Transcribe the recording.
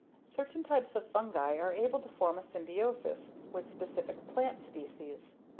Certain types of fungi are able to form a symbiosis with specific plant species.